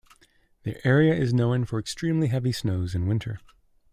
The area is known for extremely heavy snows in winter.